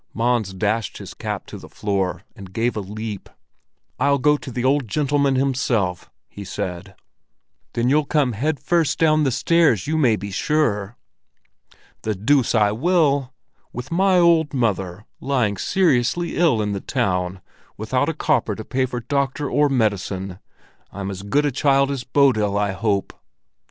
Mons dashed his cap to the floor and gave a leap. "I'll go up to the Old Gentleman himself," he said. "Then you'll come head first down the stairs, you may be sure!" "The deuce I will, with my old mother lying seriously ill in the town, without a copper to pay for doctor or medicine! I'm as good a child as Bodil, I hope."